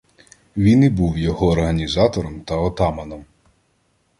Він і був його організатором та отаманом.